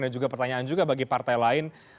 dan juga pertanyaan juga bagi partai lain